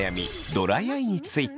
ドライアイについて。